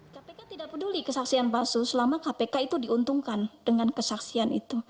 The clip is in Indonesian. kpk tidak peduli kesaksian palsu selama kpk itu diuntungkan dengan kesaksian itu